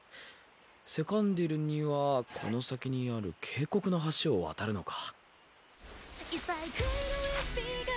セカンディルにはこの先にある渓谷の橋を渡るのか。